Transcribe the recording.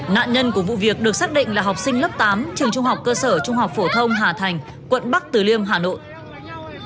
nạn nhân của vụ việc được xác định là học sinh lớp tám trường trung học cơ sở trung học phổ thông hà thành quận bắc từ liêm hà nội